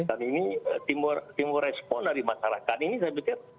ini timur respon dari masyarakat ini saya pikir